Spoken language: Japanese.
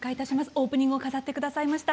オープニングを飾って下さいました